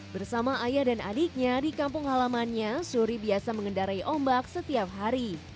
bersama ayah dan adiknya di kampung halamannya suri biasa mengendarai ombak setiap hari